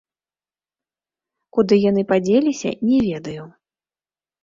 Куды яны падзеліся, не ведаю.